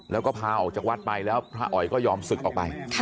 แล้วก็พาออกจากวัดไปแล้วพระอ๋อยก็ยอมศึกออกไป